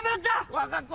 わが子。